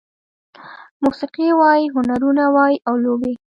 موسيقي وای، هنرونه وای او لوبې